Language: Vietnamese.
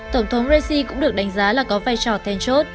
tổng thống raisi cũng được đánh giá là có vai trò ten shot